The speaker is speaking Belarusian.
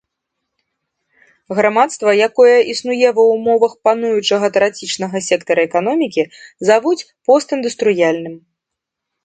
Грамадства, якое існуе ва ўмовах пануючага трацічнага сектара эканомікі, завуць постіндустрыяльным.